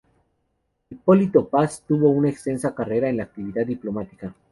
Hipólito Paz tuvo una extensa carrera en la actividad diplomática.